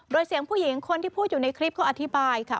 โดยเสียงผู้หญิงคนที่พูดอยู่ในคลิปเขาอธิบายค่ะ